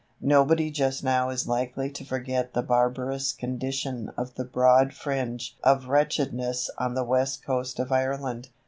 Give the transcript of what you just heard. Nobody just now is likely to forget the barbarous condition of the broad fringe of wretchedness on the west coast of Ireland.